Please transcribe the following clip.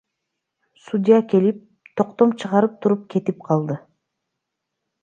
Судья келип, токтом чыгарып туруп кетип калды.